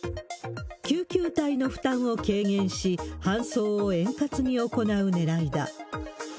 救急隊の負担を軽減し、搬送を円滑に行うねらいだ。